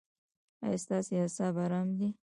ایا ستاسو اعصاب ارام دي؟